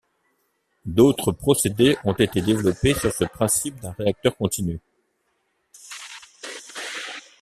D'autres procédés ont été développés sur ce principe d'un réacteur continu.